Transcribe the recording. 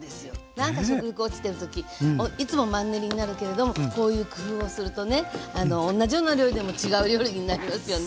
なんか食欲落ちてる時いつもマンネリになるけれどもこういう工夫をするとね同じような料理でも違う料理になりますよね。